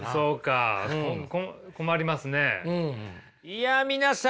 いや皆さん。